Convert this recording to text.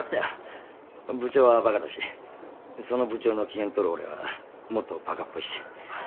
部長はバカだしその部長の機嫌取る俺はもっとバカっぽいし。